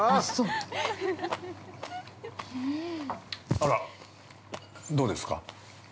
◆あらっ、どうですか。